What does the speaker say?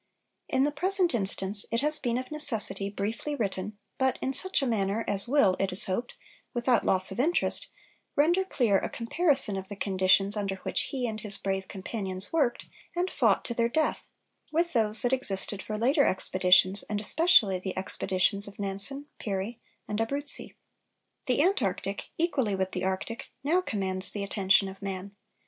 In the present instance it has been of necessity briefly written, but in such a manner as will, it is hoped, without loss of interest, render clear a comparison of the conditions under which he and his brave companions worked and fought to their death, with those that existed for later expeditions and especially the expeditions of Nansen, Peary, and Abruzzi. The Antarctic, equally with the Arctic, now commands the attention of man.